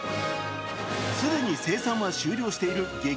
既に生産は終了している激